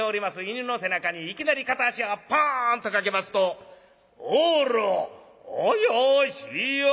犬の背中にいきなり片足をポンとかけますと「あら怪しやな」